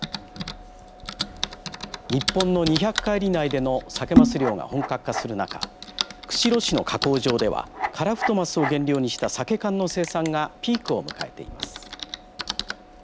日本の２００海里内でのサケマス漁が本格化する中釧路市の加工場ではカラフトマスを原料にしたサケ缶の生産がピークを迎えています。